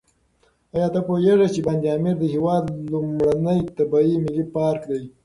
ایا ته پوهېږې چې بند امیر د هېواد لومړنی طبیعي ملي پارک دی؟